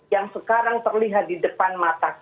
yang sekarang terlihat di depan mata